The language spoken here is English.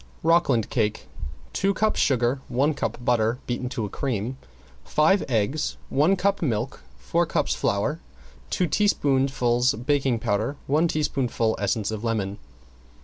~ROCKLAND CAKE~ Two cups sugar, one cup butter beaten to a cream, five eggs, one cup milk, four cups flour, two teaspoonfuls baking powder, one teaspoonful essence of lemon.